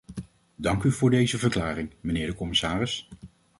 Dank u voor deze verklaring, mijnheer de commissaris.